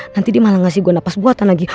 nanti dia malah ngasih gue nafas buatan lagi